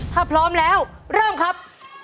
ถ้าพร้อมแล้วเริ่มครับ